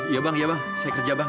iya bang saya kerja bang